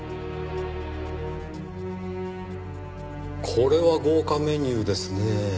これは豪華メニューですねぇ。